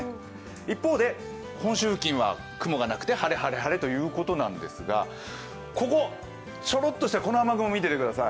一方で本州付近は雲がなくて晴れ、晴れ、晴れということですがここ、ちょろっとしたこの雨雲見ててください。